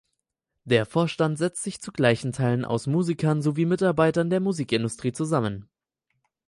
Der Vorstand setzt sich zu gleichen Teilen aus Musikern sowie Mitarbeitern der Musikindustrie zusammen.